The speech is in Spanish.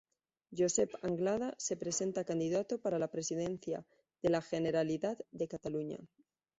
Josep Anglada se presenta a candidato para la Presidencia de la Generalidad de Cataluña.